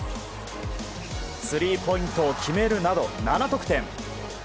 スリーポイントを決めるなど７得点。